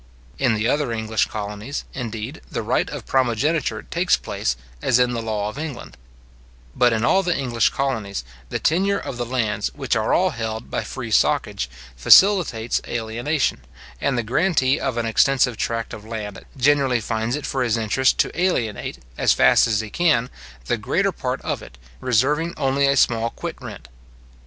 In the other English colonies, indeed, the right of primogeniture takes place, as in the law of England: But in all the English colonies, the tenure of the lands, which are all held by free soccage, facilitates alienation; and the grantee of an extensive tract of land generally finds it for his interest to alienate, as fast as he can, the greater part of it, reserving only a small quit rent.